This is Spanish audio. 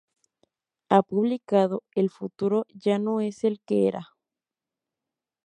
Ha publicado "El futuro ya no es el que" era.